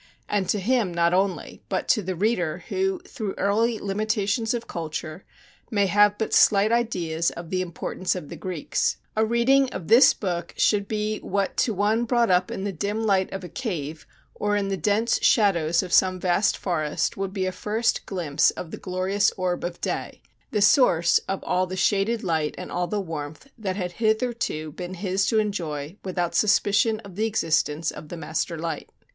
And to him not only; but to the reader who through early limitations of culture may have but slight ideas of the importance of the Greeks, a reading of this book should be what to one brought up in the dim light of a cave or in the dense shadows of some vast forest would be a first glimpse of the glorious orb of day, the source of all the shaded light and all the warmth that had hitherto been his to enjoy without suspicion of the existence of the master light.